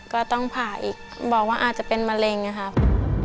ก็ต้องผ่าอีกบอกว่าอาจจะเป็นมะเร็งนะครับ